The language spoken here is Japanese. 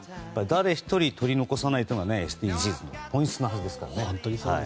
誰１人取り残さないというのがＳＤＧｓの本質なはずですからね。